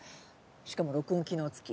しかも録音機能付き。